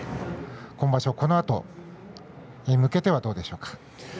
今場所、このあとに向けてはどうでしょうか？